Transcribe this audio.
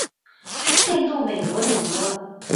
现住美国纽约。